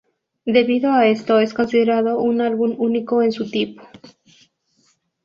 Debido a esto, es considerado un álbum único en su tipo.